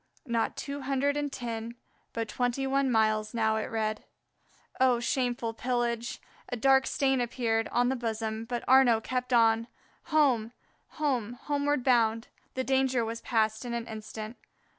Not two hundred and ten, but twenty one miles it now read. Oh, shameful pillage! A dark stain appeared on his bosom, but Arnaux kept on. Home, home, homeward bound. The danger was past in an instant.